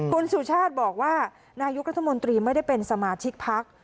คุณสุชาติบอกว่านายกรัฐมนตรีไม่ได้เป็นสมาชิกพัก